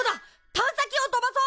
探査機を飛ばそう！